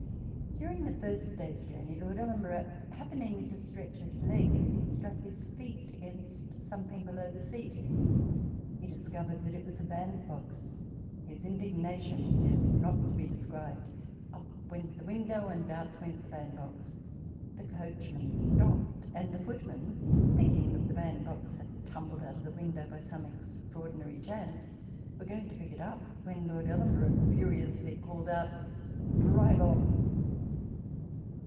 During the first day's journey, Lord Ellenborough, happening to stretch his legs, struck his feet against something below the seat. He discovered that it was a bandbox. His indignation is not to be described. Up went the window, and out went the bandbox. The coachman stopped ; and the footmen, thinking that the bandbox had tumbled out of the window by some extraordinary chance, were going to pick it up, when Lord Ellen borough furiously called out, " Drive on